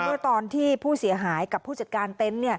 เมื่อตอนที่ผู้เสียหายกับผู้จัดการเต็นต์